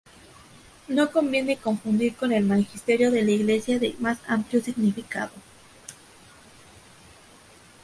No conviene confundir con el Magisterio de la Iglesia, de más amplio significado.